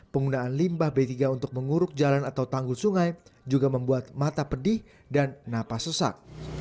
penggunaan limbah b tiga untuk menguruk jalan atau tanggul sungai juga membuat mata pedih dan napas sesak